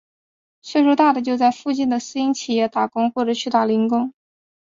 岁数大的就在附近的私营企业打工或者去打零工。